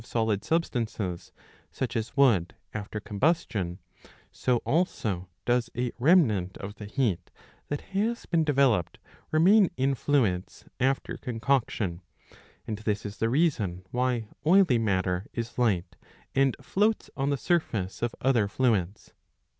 solid substances, such as wood, after combustion, so also does a remnant of the heat that has been developed remain in fluids after concoction ; and this is the reason why oily matter is light, and floats on the surface of other fluids.